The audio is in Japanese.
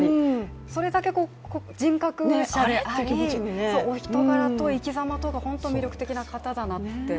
それだけ人格者で、お人柄と生きざまが本当、魅力的な方だなって。